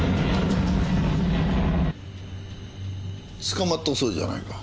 捕まったそうじゃないか。